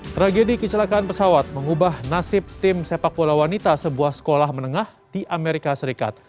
tragedi kecelakaan pesawat mengubah nasib tim sepak bola wanita sebuah sekolah menengah di amerika serikat